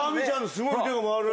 すごい腕が回る。